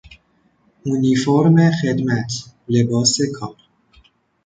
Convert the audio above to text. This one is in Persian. اونیفورم خدمت، لباس کار